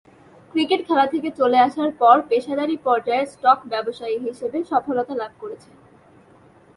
Cricket খেলা থেকে চলে আসার পর পেশাদারী পর্যায়ে স্টক ব্যবসায়ী হিসেবে সফলতা লাভ করেছেন।